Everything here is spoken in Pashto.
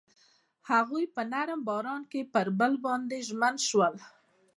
هغوی په نرم باران کې پر بل باندې ژمن شول.